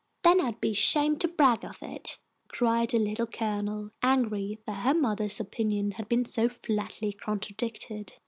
"Then I'd be ashamed to brag of it," cried the Little Colonel, angry that her mother's opinion had been so flatly contradicted.